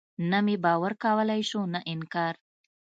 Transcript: نه مې باور کولاى سو نه انکار.